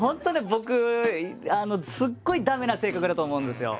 僕すごい駄目な性格だと思うんですよ。